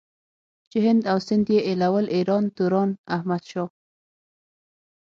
چې هند او سندھ ئې ايلول ايران توران احمد شاه